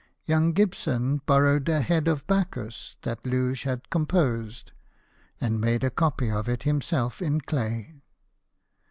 Young Gibson borrowed a head of Bacchus that Liige had composed, and made a copy of it himself in clay.